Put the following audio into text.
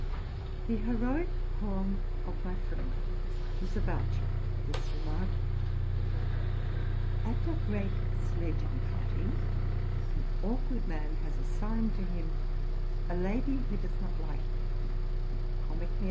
The heroic poem of my friend was a voucher for this re mark. At a great sledging party, an awkward man has assigned to him a lady who does not like him: comically RELATING TO MY LIFE. 197 .